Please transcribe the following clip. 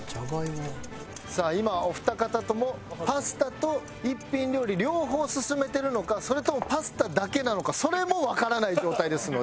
さあ今お二方ともパスタと一品料理両方進めてるのかそれともパスタだけなのかそれもわからない状態ですので。